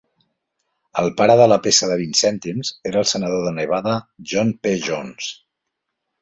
El pare de la peça de vint cèntims era el Senador de Nevada John P. Jones.